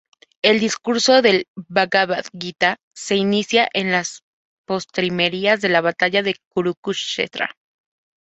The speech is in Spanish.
El discurso del "Bhagavad-gītā" se inicia en las postrimerías de la batalla de Kurukshetra.